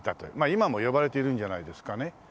今も呼ばれているんじゃないですかね。